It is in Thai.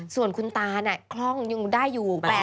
ส่วนคุณตาน่ะคล่องยังได้อยู่